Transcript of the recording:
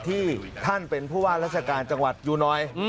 ที่ท่านเป็นผู้ว่าราชการจังหวัดยูน้อย